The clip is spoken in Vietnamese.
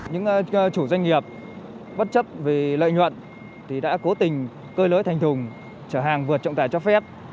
những chủ doanh nghiệp bất chấp vì lợi nhuận thì đã cố tình cơ lưới thành thùng chở hàng vượt trọng tài cho phép